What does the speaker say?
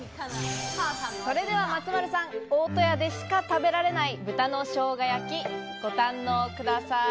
それでは松丸さん、大戸屋でしか食べられない豚の生姜焼き、ご堪能ください。